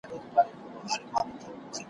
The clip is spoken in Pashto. د پاچا تر اجازې وروسته وو تللی ,